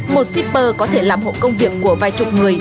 một shipper có thể làm hộ công việc của vài chục người